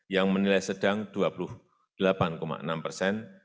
yang menilai sedang dua puluh delapan enam persen